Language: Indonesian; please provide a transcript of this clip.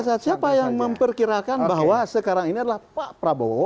siapa yang memperkirakan bahwa sekarang ini adalah pak prabowo